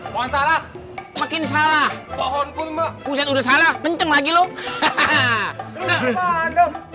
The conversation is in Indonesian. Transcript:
pohon salah makin salah pohon pun mbak udah salah kenceng lagi loh hahaha